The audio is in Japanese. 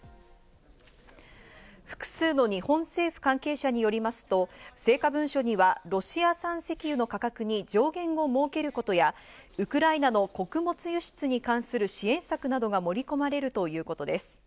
複数の日本政府関係者によりますと、成果文書にはロシア産石油の価格に上限を設けることや、ウクライナの穀物輸出に関する支援策などが盛り込まれるということです。